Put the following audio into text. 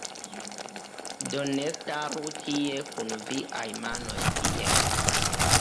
Do ne staru tie kun viaj manoj tiel